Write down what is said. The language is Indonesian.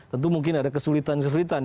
tentu mungkin ada kesulitan kesulitan